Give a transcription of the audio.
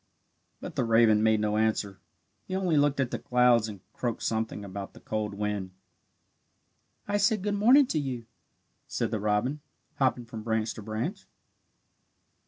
But the raven made no answer; he only looked at the clouds and croaked something about the cold wind. "I said good morning to you," said the robin, hopping from branch to branch.